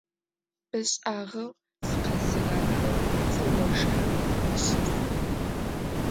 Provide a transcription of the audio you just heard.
Бэ шӏагъэу сыкъэсыгъахэу сыожэ сыщыс.